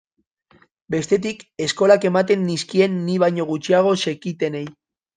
Bestetik, eskolak ematen nizkien ni baino gutxiago zekitenei.